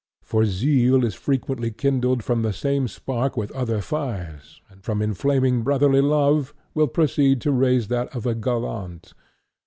For zeal is frequently kindled from the same spark with other fires, and from inflaming brotherly love will proceed to raise that of a gallant.